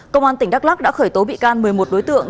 công an tỉnh đắk lắc đã khởi tố bị can một mươi một đối tượng